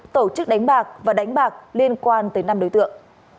tổ chức đánh bạc và đánh bạc liên quan tới năm đối tượng